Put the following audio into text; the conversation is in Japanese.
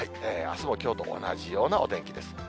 あすもきょうと同じようなお天気です。